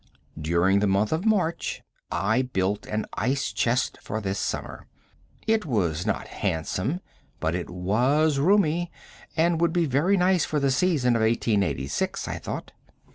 During the month of March I built an ice chest for this summer. It was not handsome, but it was roomy, and would be very nice for the season of 1886, I thought.